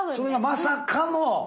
まさかの！